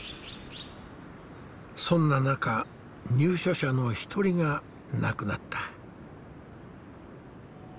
そんな中入所者の一人が亡くなった。